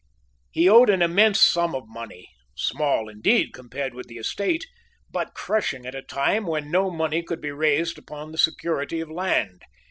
He owed an immense sum of money small, indeed, compared with his estate, but crushing at a time when no money could be raised upon the security of land.